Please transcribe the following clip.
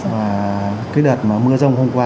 và cái đợt mà mưa rông hôm qua